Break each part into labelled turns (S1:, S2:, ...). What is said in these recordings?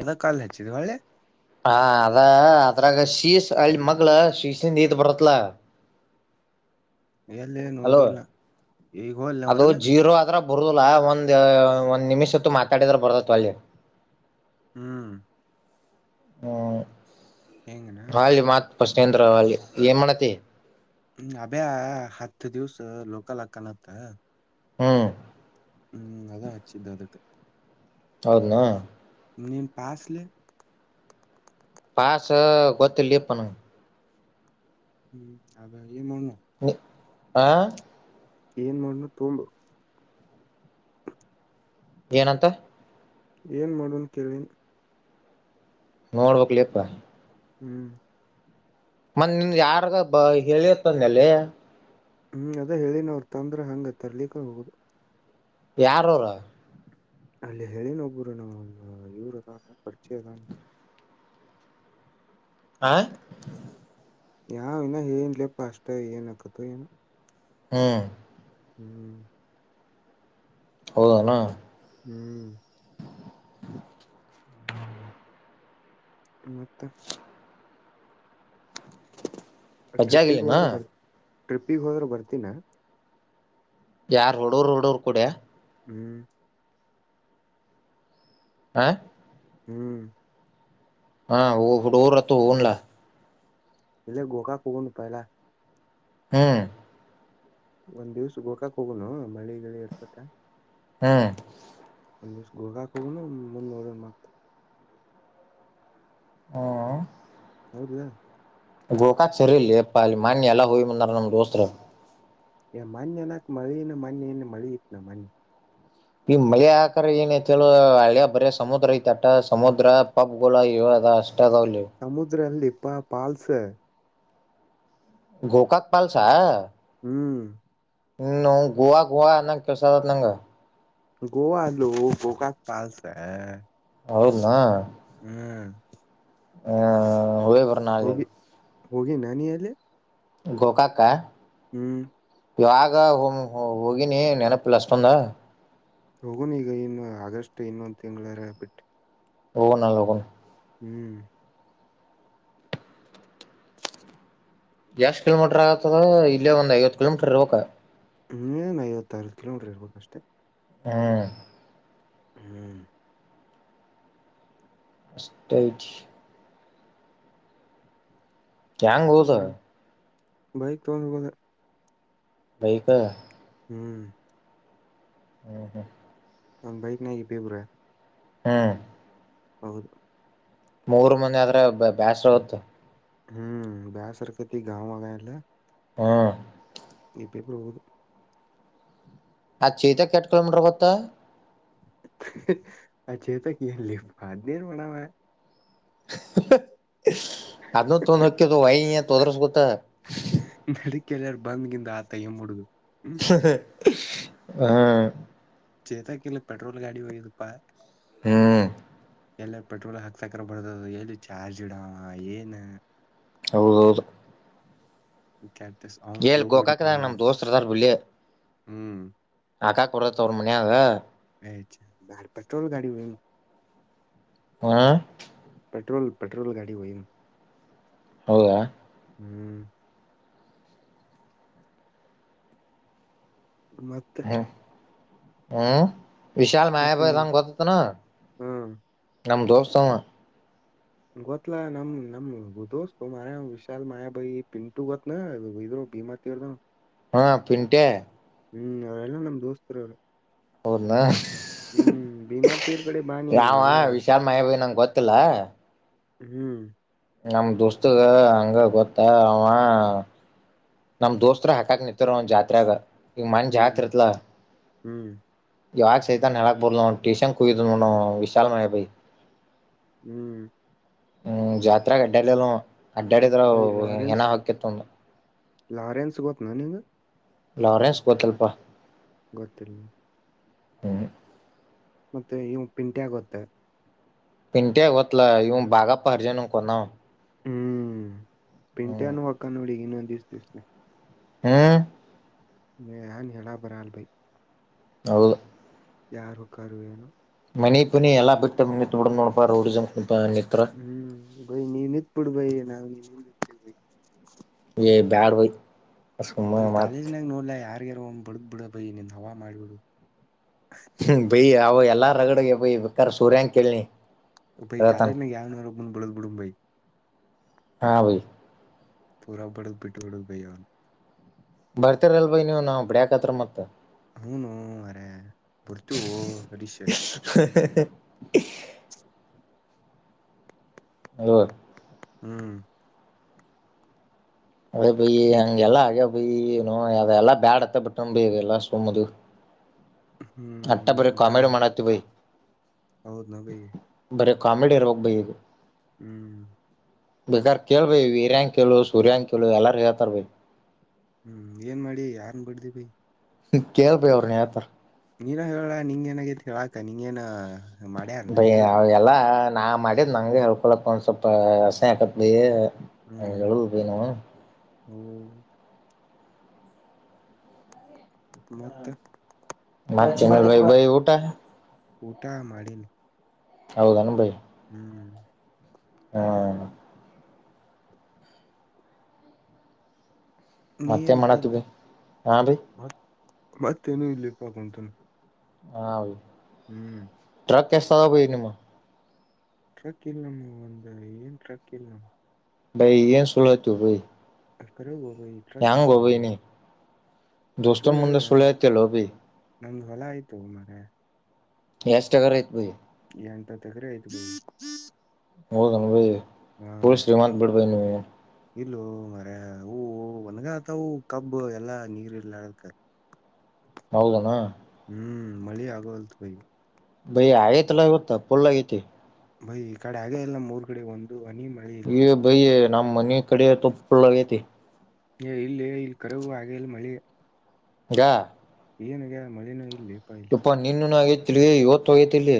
S1: ಏನೋ ಕಾಲ್ ಹಚ್ಚಿದ್ ಒಳ್ಳೆ.
S2: ಹಾ ಅದ ಅದ್ರಾಗ ಶೀಶ ಹಳ್ಳಿ ಮಗ್ಳ ಶೀಸಂದ ಇದ್ ಬರತ್ಲ.
S1: ಎಲ್ಲಿ
S2: ಹಲೋ
S1: ನೋಡಿಲ್ಲ ಈಗ ಹೋಲ್
S2: ಅದು
S1: ಹೊರಗ
S2: ಜೀರೋ ಅತ್ರ ಬರುದಲ್ಲ ಒಂದ ಒಂದ್ ನಿಮಿಷ. ಮಾತಾಡಿದ್ರ ಬರ್ದತ್ ಅಲ್ಲಿ.
S1: ಹ್ಮ್.
S2: ಹಾ.
S1: ಹೆಂಗನಾ.
S2: ಪ್ರಶನೇಂದ ರಾವಿ ಏಮಣತಿ.
S1: ಹ್ಮ ಅಭ್ಯಾ ಹತ್ತು ದಿವಸ ಲೋಕಲ ಹಕ್ಕನತ್ತ.
S2: ಹ್ಮ್.
S1: ಹ್ಮ್ ಅಾ ಆಚು ಅದಕ್ಕೆ.
S2: ಹೌದುನ.
S1: ನೇನು ಪಸ್ಲೆೇ.
S2: ಪಸ ಗತ್ತಲ್ಲಿ ಪಣ.
S1: ಹ್ಮ್ ಹದ ಮಾಡ.
S2: ನೀ ಆ.
S1: ಏನ್ ಮಾಡಣ ತುಂಬ್.
S2: ಏನಂತ.
S1: ಏನ್ ಮಾಡೋನ್ ಕೇಳಿನಿ.
S2: ನೋಡ್ಬೇಕ್ಲೇಪಾ.
S1: ಹ್ಮ್.
S2: ಮತ್ತ ನಿಮ್ದ್ ಯಾರ್ಗ ಬ ಹೇಳಿರ್ತೆನಲೆ.
S1: ಹ್ಮ್ ಅದ ಹೇಳಿನ ಅವ್ರ ತಂದ್ರ ಹಂಗ ತರ್ಲಿಕ್ಕ ಹೋಗುದ.
S2: ಯಾರ ಅವರ.
S1: ಅಲ್ಲಿ ಹೇಳಿನ ಒಬ್ಬರು ನಮ್ಮ ಇವರು ಅದಾರ ಪರಿಚೆ ಅದಾನ.
S2: [unintelligible] ಆ.
S1: ಯಾವ ಇನ ಹೇಳಿನಲೆಪ್ಪ ಅಷ್ಟ ಏನ್ ಆಕತ ಏನೊ.
S2: ಹ.
S1: ಹ್ಮ್.
S2: ಹೌದನ.
S1: ಹ್ಮ್.
S2: ಹ್ಮ.
S1: ಮತ್ತ. ಟ್ರಿಪ್ಪಿಗೆ
S2: ವಜ್ಜಾಗಿಲಿನ
S1: ಹೋದ್ರ ಬರ್ ಟ್ರಿಪ್ಪಿಗೆ ಹೋದ್ರ ಬರ್ತಿನ.
S2: ಯಾರ ಹುಡೂರು ಹುಡೂರು ಕೂಡೆ.
S1: ಹ್ಮ್.
S2: ಆ.
S1: ಹ್ಮ್.
S2: ಹಾ ಹುಡಗುರ್ ಅತು ಹೋಗುನ್ ಲಾ.
S1: ಇಲ್ಲೆ ಗೋಕಾಕ್ ಹೋಗುನು ಪಾಯಲಾ.
S2: ಹ್ಮ್.
S1: ಒಂದ್ ದಿವ್ಸ ಗೋಕಾಕ್ ಹೋಗುನು ಮಳಿ ಗಿಳಿ ಇರ್ತತಿ.
S2: ಹ್.
S1: ಒಂದ್ ದಿವ್ಸ ಗೋಕಾಕ್ ಹೋಗುನು ಮುಂದ್ ನೋಡೂನು ಮತ್.
S2: ಹಾ.
S1: ಹೌದಲೊ.
S2: ಗೋಕಾಕ್ ಸರಿ ಇಲ್ಲಲೇ ಪಾ ಅಲ್ಲಿ ಮನ್ನಿ ಎಲ್ಲ ಹೋಗಿ ಬಂದಾರ್ ನಮ್ಮ್ ದೋಸ್ತ್ರ.
S1: ಯ ಮಾನ್ಯ ನಾಕ ಮಾಡಿ ಮಾನ್ಯ ಮಾಡಿತನ ಮಾನ್ಯ
S2: ನಿ ಮಳೆ ಆಗಾಕರ ಏನಐತಿ ಹೇಳು ಅಳೆ ಬರಿ ಸಮುದ್ರ ಐತಿ ಅಟ ಸಮುದ್ರ ಪಪ್ಗೋಳ ಇವ ಅದಾವ ಅಷ್ಟ. ಅದಾವಲ್ಲಿ
S1: ಸಮುದ್ರ ಅಲ್ಲಲೇಪಾ ಪಾಲ್ಸ್.
S2: ಗೋಕಾಕ್ ಪಾಲ್ಸಾ.
S1: ಹ್ಮ್.
S2: ಹ ನವ್ ಗೋವಾ ಗೋವಾ ಅಂದಂಗ್ ಕೇಳಸಾತೇತಿ ನಂಗ.
S1: ಗೋವಾ ಅಲ್ಲೊ ಗೋಕಾಕ್ ಪಾಲ್ಸ.
S2: ಹೌದನ.
S1: ಹ್ಮ್.
S2: ಹ್ಮ್ ಹೋಗಿ ಬರೋಣ ನಾಳಿಗ್.
S1: ಹೋಗಿನ ನೀ ಅಲ್ಲಿ.
S2: ಗೋಕಾಕ.
S1: ಹ್ಮ್.
S2: ಯವಾಗ ಹೋಗಿನಿ ನೆನಪಿಲ್ಲ ಅಷ್ಟೊಂದ.
S1: ಹೋಗುನು ಈಗ ಇನ್ನ ಆಗಸ್ಟ್ ಇನ್ನೊಂದ ತಿಂಗಳರ ಬಿಟ್.
S2: ಹೋಗುನ್ ಅಳ್ ಹೋಗುನ್.
S1: ಹ್ಮ್.
S2: ಎಷ್ಟ್ ಕಿಲೋಮೀಟರ್ ಆಗತದ ಇಲ್ಲೇ ಒಂದ್ ಐವತ್ತ ಕಿಲೋಮೀಟರ್ ಇರಬೇಕ.
S1: ಹ್ಮ ಐವತ್ತಾರತ್ತು ಕಿಲೋಮೀಟರ್ ಇರ್ಬೇಕಕ್ ಅಷ್ಟೆ
S2: ಹ್ಮ್
S1: ಹ್ಮ್
S2: ಅಷ್ಟೈಜ ಕೆ್ಯಾಂಗ್ ಹೋದ
S1: ಹ್ಮ್ ಬೈಕ್ ತಗೊಂಡಬೋದ
S2: ಬೈಕ
S1: ಹ್ಮ್
S2: ಹ್ಮ ಹಾ
S1: ಒ ಬೈಕ್ ನ ಇ ಬೇಬುರ
S2: ಹ್ಮ್
S1: ಹೌದು
S2: ಮೂರ್ ಮಂದ ಆದ್ರ ಬೇಾಸ್ರ ಹತ್ತು
S1: ಹ್ಮ್ ಬ್ಯಾಾಸಾರಕ ತಿ ಗಾಾವವಗಲ್ಲ
S2: ಹಾ
S1: ಇಬ್ಬಿಬ್ಬರು ಓದರು
S2: ಆ ಚೈತ ಕೆ ಎಟ್ಟ ಕಿಲೋಮೀಟರ್ ಗತ್ತಾ
S1: ಅಚೆತ ಕಲ್ಲ ಬಾದನರು ಬಣಾವ
S2: ಹ ಅದನ್ನು ತೊಂದ ಹಕ್ಯದು ವೈ ನೀ ತೊದ್ರಸ್ ಗೊತ್ತ
S1: ಕೆಾರ ಬಂದ್ಗಿಿಂದ ಆತೈ ಹುಡ್ದು
S2: ಹಾ
S1: ಚೇತಾ ಕೆಲ್ಲ ಪೆಟ್ರೋಲ್ ಗಾಡಿಿೋಗದುಪಾ
S2: ಹ್ಮ್
S1: ಎಲ್ಲ ಪೆಟ್ರೋಲ್ ಹಾಕ್ಸಕ್ರ ಬರ್ದ ಎಲ್ಲಿ ಚಾರ್ಜಡ ಏನ್
S2: ಹೌದು ಹೌದು
S1: ಕೆ
S2: ಎಲ್ ಗೊಕಾಕದಾರ ನಮ್ ದೋಸ್ತ್ರು ಅದಾರ್ ಬಿಳ್ಳಿ
S1: ಹ್ಮ್
S2: ಅಕ್ಕಾ ಕೊೂಡ ತೋರ ಮನಿಯಾಗ
S1: ಬ ಪೆಟ್ರೋಲ್ ಗಾಡಿನು
S2: ಹಾ
S1: ಪೆಟ್ರೋಲ್ ಪೆಟ್ರೋಲ್ ಗಾಡಿ ವಯಮ
S2: ಹೌದಾ
S1: ಹ್ಮ್ ಮತ್ತೆ
S2: ಹ್ಮ್ ಹ್ಮ್ ವಿಶಾಲ್ ಮಾಯ
S1: ಮತ್ತೆ
S2: ಬದಂಗ ಗೊತ್ತತ್ನ
S1: ಹ್ಮ್
S2: ನಮ ದೋಸ್ತ್ ಸಮಯ [unintelligible]
S1: ಗೊತ್ತಲಾ ನಮ್ ನಮ್ ಗ ದೋಸ್ ತ ಮಾರ ವಿಶಾಲ್ ಮಾಯಾಬೈ ಪಿಂಟು ಗೊತ್ತನ ಇದ್ ಬಿಮಾ ತರದ
S2: ಹಾ ಪಿಂಟೆ
S1: ಹ್ಮ್ ಅವರೆಲ್ಲ ನಮ್ಮ್ ದೋಸ್ತರ ಅವರು
S2: ಅವದನು
S1: ಭೀಮಾ ತೀರ್ ಕಡೆ ಬಾನಿ
S2: ಯಾವ
S1: ಎಲ್ಲ
S2: ವಿಶಾಲ ಮಹಬ ನಂಗೆ ಗೊತ್ತ ಕ್ಕಲ
S1: ಹ್ಮ್
S2: ನಮ ದುಸ್ತಗೆ ಹಂಗ ಗೊತ್ತ ಅವ ನಮ್ ದೋಸ್ತತ್ರ ಹಾಕಾಕ್ ನಿತ್ಾರ ಒನ್ ಜಾತ್ರೆಾಗ ಈಗ ಮನ್
S1: ಹ್ಮ್
S2: ಜಾತ್ ಇತ್ಲ
S1: ಹ್ಮ್
S2: ಯಾರ ಸತಾ ನೆಾಬಡಲ ಟೂಷನ್ ಕುಗಿದ ವಿಶಾಲ ಮಳಯಿ
S1: ಹ್ಮ್
S2: ಹ್ಮ್ ಜಾತ್ರಾಗ ಅಡ್ಡಾಡಲಿಲ್ಲ ಆವಾ ಅಡ್ಡಾಡಿದ್ರ
S1: ಬೈ
S2: ಹೆನ
S1: ಲಾರೆನ್ಸ್
S2: ಹೊಕ್ಕಿತ ಅವಂದ
S1: ಲಾರೆನ್ಸ್ ಗೋತನ ನಿಂಗ
S2: ಲಾರೆನ್ಸ್ ಗೊತ್ತಲ್ಪ
S1: ಗೊತ್ತಿಲ್ಲ
S2: ಹ್ಮ್
S1: ಮತ್ತೆ ಇವಾ ಪಿಂಟ್ಯಾ ಗೊತ್ತಾ
S2: ಪಿಂಟ್ಯಾ ಆಗೋತ್ಲ ಇವನ್ ಬಾಗಪ್ಪ ಪರ್ಜನು ಕೊಂದವ
S1: ಹ್ಮ್ ಪಿಂಟ್ಯಾ ನು ವಕ್ಕಾನ ನೋಡ ಈಗ ಇನ್ನೊಂದಿಸ ದಿವಸಕ
S2: ಹ್ಮ
S1: ನಾ ಏನ್ ಹೇಳಕ್ ಬರಲರಿ
S2: ಹೌದು
S1: ಯಾರು ಹೊಕ್ಕರೇನು
S2: ಮನಿ ಪನಿ ಎಲ್ಲಾ ಬಿಟ್ಟ ನಿಂತ ಬಿಡದ ನೋಡಪಾ ರೌಡಿಸಮ
S1: ಹ್ಮ್ ಬೈ ನಿನ್ ನಿಂತ ಬಿಡು ಬೈ ನಾನ್
S2: ಇ ಬ್ಯಾಡ್ ಬೈ ಸುಮ್ಮ
S1: ಬೈ
S2: ಮತ್
S1: ಕಾಲೇಜ್ನಾಗ ನೋಡ್ಲ ಯಾರಗ್ಯಾರ್ ಒಮ್ಮೆ ಬಡದ ಬಿಡ ಬೈ ನಿನ್ ಹವಾ ಮಾಡ್ಬಿಡು.
S2: ಅವು ಎಲ್ಲಾ ರಗಡ ಆಗ್ಯಾವ ಬೈ ಬೇಕರ್ ಸೂರ್ಯಂ ಕೇಳನಿ
S1: ಯಪ್ಪಾ ಇ
S2: ಹೇಳ್ತಾನ
S1: ಕಾಲೇಜ್ ಯಾವನೂರ ಮು ಬಿಡಲ್ ಬಿಡ ಬೈ
S2: ಹಾ ಬೈ
S1: ಪುರಾ ಬಡದ ಬಿಟ್ಟುಬಿಡುದ ಬೈ ಅವರನ್
S2: ಬರ್ತಿರಲ್ ಬೈ ನೀವ್ ನಾ ಬಡ್ಯಾಕತ್ರ ಮತ್ತ
S1: ಹೂನೋ ಮಾರಾಯ ಬರ್ತಿವೋ ಹರೀಶ
S2: ಐವತ್ತು
S1: ಹ್ಮ್
S2: ಅದೇ ಬೈ ಹಂಗೆ ಎಲ್ಲಾ ಆಗ್ಯವ ಬೈ ಏನೋ ಅವ ಎಲ್ಲಾ ಬ್ಯಾಡತ್ತ ಬಿಟ್ಟ ಬೈ ಅವೆಲ್ಲ ಸುಮ್ಮದು
S1: ಹ್ಮ್
S2: ಅಟ್ಟಬರ ಕಾಮಿಡಿ ಮಾಡಾಕತ್ತಿ ಬೈ
S1: ಹೌದ ನ ಬೈ
S2: ಬರೀ ಕಾಮಿಡಿ ಇರ್ಬೇಕ್ ಬೈ ಇದು
S1: ಹ್ಮ್
S2: ಬೇಕಾರ್ ಕೇಳ ಬೈ ವೀರ್ಯಾಂ ಕೇಳು ಸೂರ್ಯಂಗ ಕೇಳು ಎಲ್ಲಾರ ಹೇಳ್ತಾರ ಭೈ
S1: ಹ್ಮ್ ಏನ್ ಮಾಡಿ ಯಾರ್ನ್ ಬಡ್ದಿ ಬೈ
S2: ಕೇಳ ಬೇ ಅವ್ರ ಹೇಳ್ತಾರ
S1: ನೀನ ಹೇಳ ನಿಂಗ ಏನಾಗತಿ ಹೇಳಾಕ ನೀಂಗೇನ
S2: ಬೈ ಅವ ಎಲ್ಲ ನಾ ಮಾಡಿದ ನಂಗೆ ಹೇಳ್ಕೊಳ್ಳಕ್ಕೆ ಒಂದು ಸ್ವಲ್ಪ ಅಸಯ್ಯ ಅಕ್ಕತಿ ಬೈ ಹಂಗ ಹೇಳುದು ಬೈ ನಾವು
S1: ಹ್ಮ್ ಮತ್ತ್
S2: ಮ ಚ ಮ ಬೈ ಊಟಾ
S1: ಊಟಾ ಮಾಡಿನೀ
S2: ಹೌದನ ಬೈ
S1: ಹ್ಮ್
S2: ಹಾ
S1: ನೀ
S2: ಮತ್ತೆ
S1: ಏನ್
S2: ಏನ ಮಾಡಾತಿ
S1: ಮಾಡಿಲ್ಲ
S2: ಬೈ ಹಾ ಬೈ
S1: ಮತ್ ಮತ್ತೇನು ಇಲ್ಲಲೇಪಾ ಕುಂತೇನಿ
S2: ಹಾ
S1: ಹ್ಮ್
S2: ರೊಕ್ಕ ಎಷ್ಟದ ಬೈ ನಿಮ್ಮವ
S1: ಟ್ರಕ್ ಇಲ್ಲ ನಮ್ಮ ಒಂದ ಏನ್ ಟ್ರಕ್ ಇಲ್ಲ.
S2: ಬೈ ಏನ್ ಸಳ್ಳ ಹೇಳ್ತಿಹೋ ಬೈ.
S1: ಕರ್ ಕರೆವು.
S2: ಯಂಗಬೈ ನೀ ದೋಸ್ತರ ಮುಂದ ಸುಳ್ ಕೇಳ್ತಿಹೋ ಬೈ.
S1: ನಮ್ದು ಹೊಲಆಯಿತೋ ಮಾರಾಯ.
S2: [unintelligible]
S1: ಎಂಟ್ ಹತ್ತ ಎಕ್ರೆ ಆಯಿತ್ ಬೈ.
S2: ಹೌದನ್ ರೀ
S1: ಹಾ
S2: ಪೊಲೀಸ್ [unintelligible] ನೀವು
S1: ಇಲ್ಲೋ ಮಾರಾಯ್ ಅವು ಒಣಗತವುಅವು ಕಬ್ಬ ಎಲ್ಲಾ ನೀರ್ ಇರ್ಲಾರ್ದಕ್ಕ.
S2: ಹೌದ ಅಲ್ಲ.
S1: ಹ್ಮ್ ಮಳಿ ಆಗ್ವಲ್ತು ಬೈ.
S2: ಬೈ ಆಗ್ಯಾಯಿತಲ್ ಇವತ್ತ್ ಫುಲ್ ಆಗ್ಯಾತಿ.
S1: ಬೈ ಈ ಕಡಿ ಆಗೇ ಇಲ್ಲ ಮೂರ್ ಕಡೆ ಒಂದು ಹನಿ ಮಳೆ ಇಲ್ ಬೈ.
S2: ನಮ್ಮ್ ಮನೀ ಕಡೆ ಅಂತೂ ಫುಲ್ ಆಗ್ಯಾತಿ.
S1: ಇಲ್ಲ ಇಲ್ಲಿ ಕರೆಗೂ ಆಗೇಲ್ಲ ಮಳಿ.
S2: ಗಾ,
S1: ಏನಾಗ ಮಳೆನೂ ಇಲ್ಲಿ,
S2: ಏಪ್ಪ್ ನಿನ್ನೀನು ಆಗ್ಯಾತಿ ಇವತ್ತು ಆಗ್ಯಾತಿಲಿ.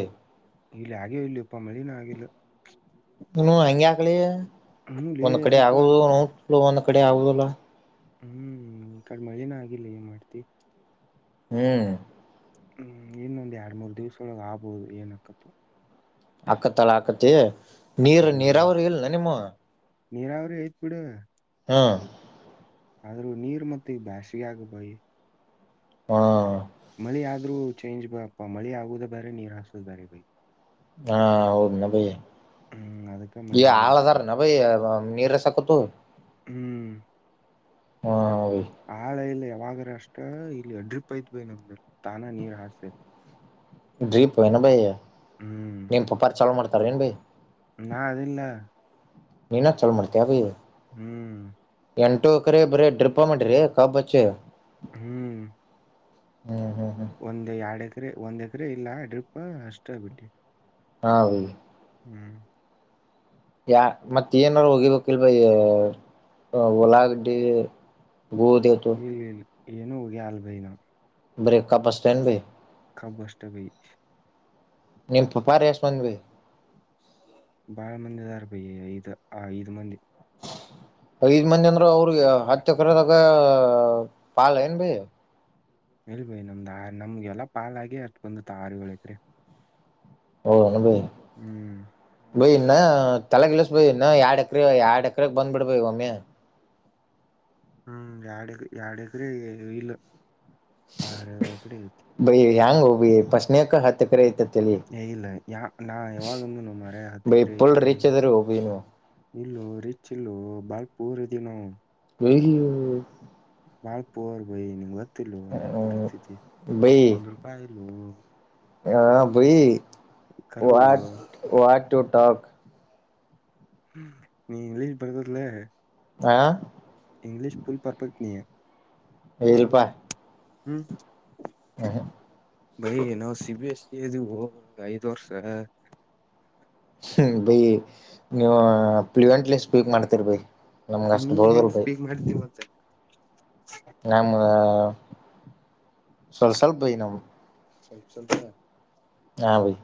S1: ಇಲ್ಲಿ ಆಗ್ಯ ಇಲ್ಲಲೆ ಎಪ್ಪ ಮಳಿನೆ ಆಗಿಲ್ಲ.
S2: ನೀನು ಹಂಗೆ
S1: ಹ್ಮ್ ಲೇ
S2: ಒಂದ್ ಕಡೆ
S1: ಅದಕ್ಕ
S2: ಆಗುದು ನೋ ಒಂದ್ ಕಡೆ ಆಗುದಿಲ್ಲ.
S1: ಹ್ಮ್ ಈ ಕಡೆ ಮಳೆನ ಆಗಿಲ್ಲ ಏನ್ ಮಾಡ್ತಿ.
S2: ಹ್ಮ್.
S1: ಹ್ಮ್ ಇನ್ನೊಂದ್ ಎರಡ್ ಮೂರ್ ದಿವ್ಸೊಳಗ್ ಆಗ್ಬಹುದು ಏನ್ಕತತೊ.
S2: ಆಕತ್ತ ಹೇಳ್ ಆಕತಿ ನೀರ್
S1: ಅಕ್ಕತ್ ಮಳಿ
S2: ನೀರಾವರಿ ಇಲ್ನ ನಿಮ್ಮ.
S1: ನೀರಾವರಿ ಐತ್ ಬಿಡ.
S2: ಹ್ಮ್.
S1: ಆದ್ರೂ ನೀರ್ ಮತ್ತೆ ಈ ಬ್ಯಾಸ್ಗೆ ಆಗ ಬೈ.
S2: ಹಾ.
S1: ಮಳಿ ಆದ್ರೂ ಚೇಂಜ್ ಬಪಾ ಮಳಿ ಆಗುದೇ ಬೇರೆ ನೀರ ಹಾಸುದ್ ಬಾರೆ ಬೈ.
S2: ಹಾ ಹೌದು ನ ಬೈ.
S1: ಹ್ಮ್ ಅದಕ್ಕ ಮಳಿ
S2: ಎ
S1: ಆದ್ರ
S2: ಆಳ
S1: ಚಲೋ
S2: ಅದ್ರನ ಬೈ ನೀರಷಕತು
S1: ಹ್ಮ್ ಆಳ ಇಲ್ಲ ಯಾವಾಗ, ಅಷ್ಟ ಇಲ್ಲಿ ಡ್ರಿಪ ಐತ್ ಬೈ ನಮ್ದ ತಾನಾ ನೀರ್ ಹಸ್ಸೈತ್,
S2: ಡ್ರಿಪ್ ಏನ್ ಬೈ ನಿನ್ ಪಪಾರ್ ಚಾಲು ಮಾಡ್ತಾರ ಏನ್ ಬೈ.
S1: ನಾ ಅದಿನಲಾ,
S2: ನಿನ್ ಚಾಲು ಮಾಡ್ತೀಯ ಬೈ.
S1: ಹ್ಮ್.
S2: ಎಂಟು ಎಕರೆ ಬರ ಡ್ರಿಪ್ ಮಾಡಿರಿ ಕಬ್ಚ್ಚಿ.
S1: ಹ್ಮ್.
S2: ಹ್ಮ್ ಹ್ಮ್ ಹ್ಮ್
S1: ಒಂದ ಎರಡ್ ಎಕರೆ ಒಂದ್ ಎಕರೆ ಇಲ್ಲ ಡ್ರಿಪ್ ಅಷ್ಟ ಬಿಟ್ಟನೀ.
S2: ಹಾಬೈ.
S1: ಹ್ಮ್.
S2: ಯಾ ಮತ್ತ ಏನಾರ ಹೋಗಿಬೇಕಲ್ವಾ ಉಳ್ಳಾಗಡಿ. ಗೋಧಿ ಅದು.
S1: ಇಲ್ಲ ಇಲ್ಲ ಏನು ಉಗೆ ಅಲ್ ಬೈ ನಾ.
S2: ಬರೇ ಕಬ್ಬ ಅಷ್ಟ್ ಏನ್ ಬೈ.
S1: ಕಬ್ಬ ಅಷ್ಟ್ ಬೈ.
S2: [unintelligible]
S1: ಬಾಳ ಮಂದಿ ಅದಾರ್ ಬೈ ಐದ ಆ ಐದು ಮಂದಿ.
S2: [inaudible] ಐದ ಮಂದಿ ಅಂದ್ರ ಅವ್ರಿಗೆ ಹತ್ತುಕ್ರದಾಗ ಪಲ್ ಏನ್ ಬಾಯಿ.
S1: ಹೇಳ್ ಭೈ ನಮ್ದ ಆ ನಮ್ಗೆ ಎಲ್ಲಾ ಪಾಲಾಗೆ ಅಷ್ಟ ಬಂದತ್ತ ಆರ ಏಳ ಎಕರೆ.
S2: ಓ ಹೌದ.
S1: ಹ್ಮ್.
S2: ಬೈ ಇನ್ನ ತಲೆಗಿಲಸ್ ಬೈ ಇನ್ನ ಎರಡ್ ಎಕರೆ ಎರಡ್ ಎಕರೆಗ್ ಬಂದ್ಬಿಡ್ ಬೈ ಒಮ್ಮಿ.
S1: ಹ್ಮ್ ಯಾರ್ಡ್ ಎಕ ಯಾರ್ಡ್ ಎಕರೆ ಇಲ್ಲ ಆ ಕಡೆ ಐತಿ.
S2: ಹೆಂಗ್ ಹೋ ಬೈ ಫಸ್ಟ್ ನೆಕ ಹತ್ತ ಎಕರೆ ಆಯಿತಿ.
S1: ಏ ಇಲ್ಲ ಯಾ ನಾ ಯಾವಾಗ ಅಂದೇನೋ ಮಾರಾಯ ಹತ್ತ
S2: ಬೈ
S1: ಎಕರೆ ಐತಿ
S2: ಪುಲ್
S1: ಆತ ನಿನ್ನ
S2: ರಿಚ್
S1: ಮುಂದ.
S2: ಅದ್ರಿ ಒಬ್ಬಿ
S1: ಇಲ್ಲೋ ರಿಚ್ ಇಲ್ಲೋ ಬಾಳ್ ಪುವರ್ ಅದಿವಿ ನಾವು.
S2: ಅಯ್ಯೋ.
S1: ಬಾಳ್ ಪೂರ್ ಬೈ ನಿಮ್ ಗೊತ್ತಿಲ್ವೋ ನಮ ಪರಿಸ್ಥಿತಿ ಒಂದ್ ರೂಪಾಯಿ ಇಲೊ.
S2: ಹಾ ಭಯಿ
S1: ಕರವು
S2: ವಾಟ್ ವಾಟ್ ಟು ಟಾಕ್.
S1: ನೀ ಇಂಗ್ಲೀಷ್ ಬರ್ತದ್ಲೇ.
S2: ಹಾ.
S1: ಪರ್ಫೆಕ್ಟ್ ನೀ
S2: ಎ ಇಲ್ಲ ಪ್ಪಾ.
S1: ಹ್ಮ್.
S2: ಅ ಹ.
S1: ಬಾಯಿ ನಾವ ಸಿ ಬಿ ಎಸ್ ಈ ಅದಿವೊ ಐದ್ ವರ್ಷ.
S2: ಹ್ಮ ಬಾಯಿ ನೀವು ಪ್ಲಂಟ್ಲೆಲೆ ಸ್ಪೀಕ್ ಮಾಡ್ತೀರಿ ಬಾಯಿ. ನಮ್ಗ ಅಷ್ಟ
S1: ನೀ
S2: ಬರದಲ್
S1: ಹೆಂಗ್
S2: ಬಾಯಿ
S1: ಸ್ಪೀಕ್ ಮಾಡ್ತೀವಂತ
S2: ನಮ್ಮ ಸ್ವಲ್ಪ ಬಾಯಿ ನಮ್ಮ.
S1: ಸ್ವಲ್ಪ ಸ್ವಲ್ಪ.
S2: ಹಾ ಭಾಯ್.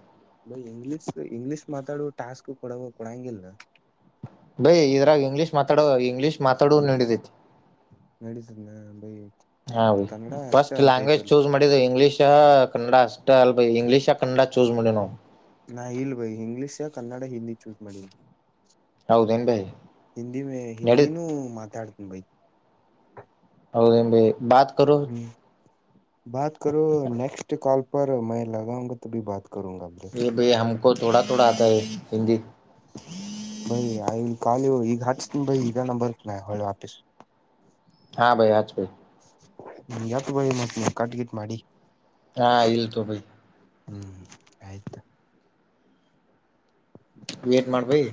S1: ಬಾಯ್ ಇಂಗ್ಲೀಷ್ ಇಂಗ್ಲಿೀಷ್ ಮಾತಾಡುವ ಟಾಸ್ಕ್ ಕೊಡ ಕೊಡಂಗಿಲ್ಲ.
S2: ಬೈ ಇದ್ರಾಗ ಇಂಗ್ಲೀಷ್ ಮಾತಾಡುವ ಇಂಗ್ಲೀಷ್ ಮಾತಾಡುವ ನಡಿದೈತಿ.
S1: ನಡಿತೈತನ ಬೈ.
S2: ಹಾ ಬಾಯ್
S1: ಕನ್ನಡ ಅಷ್ಟೇ
S2: ಫಸ್ಟ್
S1: ಅಂತ
S2: ಲ್ಯಾಂಗ್ವೇಜ್
S1: ಐತಲ್ಲ
S2: ಚೂಸ್ ಮಾಡಿದ ಇಂಗ್ಲೀಷ್ ಕನ್ನಡ ಅಷ್ಟ ಅಲ್. ಬಾಯ್ ಇಂಗ್ಲಿಷ್ ಕನ್ನಡ ಚೂಸ್ ಮಾಡೇವ್ ನಾವು.
S1: ನಾ ಇಲ್ಲ ಭೈ ಇಂಗ್ಲಿಷ ಕನ್ನಡ ಹಿಂದಿ ಚೂಸ್ ಮಾಡೇನ.
S2: ಹೌದೇನ ಬಾಯ್.
S1: ಹಿಂದಿ ಮೇ ಹಿಂದಿನೂ ಮಾತಾಡ್ತನ್ ಬಾಯ್.
S2: ಹೌದ ಏನ್ ಬಾಯಿ ಬಾತ್ ಕರೋ.
S1: ಬತೋ ಕರೋ ನೆಕ್ಸ್ಟ್ ಕಲ್ ಫಾರ್ ಮೇ ಲಗಾಂಗಾ ತುಬಿ ಬತ ಕರುಂಗ. [unintelligible]
S2: ತೊಡ ತೊಡ ಆತ ಹೈ ಹಿಂದಿ.
S1: ಭೈ ಆಯ ವಿಲ್ ಕಲ್ ಯು ಈಗ ಹಚ್ತೀನಿ ಬಾಯ್ ಇದ ನಂಬರ್ ಗ. ನಾ ಹೊಳಿ ಆಫೀಸ್.
S2: ಹಾ ಬಾಯ್ ಹಾಚ್ ಬಾಯ್.
S1: ಎತ ಬಾಯ್ ಕಟ್ ಗಿಟ್ ಮಾಡಿ.
S2: ಹಾ ಇಲ್ಲ ತೊ ಬಾಯ್.
S1: ಹ್ಮ್ ಆಯ್ತಾ.
S2: ವೇಟ್ ಮಾಡ್ ಬಾಯ್.